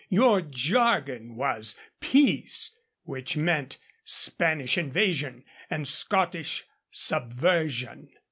Your jargon was 'peace,' which meant Spanish invasion and Scottish subversion.